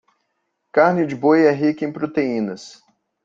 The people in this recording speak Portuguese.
Carne de boi é rica em proteínas.